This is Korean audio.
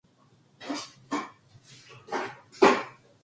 법관의 자격은 법률로 정한다.